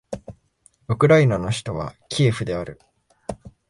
ウクライナの首都はキエフである